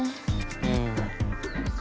うん。